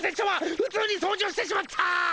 ふつうに掃除をしてしまった！